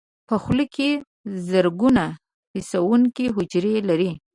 په خوله کې زرګونه حسونکي حجرې لري.